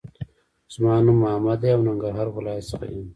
زما نوم احمد دې او ننګرهار ولایت څخه یم